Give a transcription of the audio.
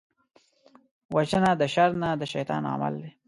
وژنه د شر نه، د شيطان عمل دی